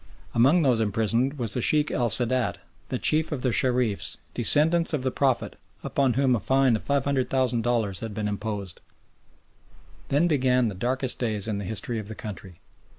Among those imprisoned was the Sheikh el Sadat, the Chief of the Shereefs, or descendants of the Prophet, upon whom a fine of 500,000 dollars had been imposed. Then began the darkest days in the history of the country.